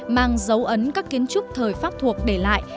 mang dấu ấn các kiến trúc thời pháp thuộc để lại